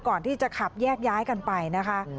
ก่อนที่จะขับแยกย้ายกันไปนะคะ